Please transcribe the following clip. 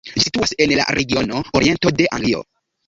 Ĝi situas en la regiono oriento de Anglio.